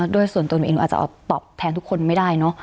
ด้วยส่วนตัวหนูเองหนูอาจจะตอบแทนทุกคนไม่ได้เนอะ